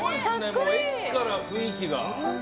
もう駅から雰囲気が。